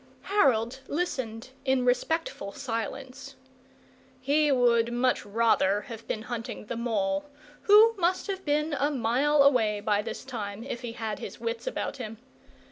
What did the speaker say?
Harold listened in respectful silence. He would much rather have been hunting the mole, who must have been a mile away by this time if he had his wits about him.